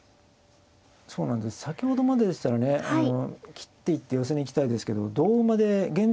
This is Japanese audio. そうなんです先ほどまででしたらね切っていって寄せに行きたいですけど同馬で現状